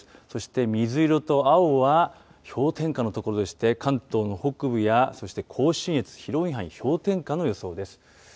そして水色と青は氷点下の所でして、関東の北部やそして甲信越、広い範囲、氷点下の予想です。